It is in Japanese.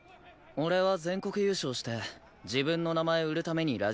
俺は全国優勝して自分の名前売るために羅